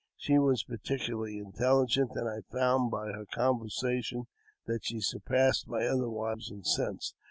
She was particularly intelligent, and I found by her conversation that she surpassed my other wives in sense.